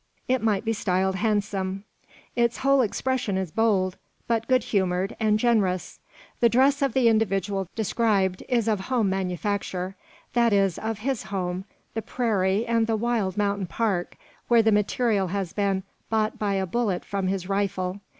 It might be styled handsome. Its whole expression is bold, but good humoured and generous. The dress of the individual described is of home manufacture; that is, of his home, the prairie and the wild mountain park, where the material has been bought by a bullet from his rifle.